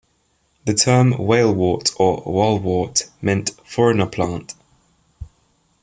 The term 'walewort' or 'walwort' meant 'foreigner plant.